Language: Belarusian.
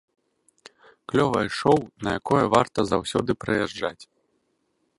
Клёвае шоў, на якое варта заўсёды прыязджаць!